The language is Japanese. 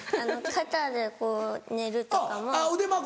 肩でこう寝るとかも。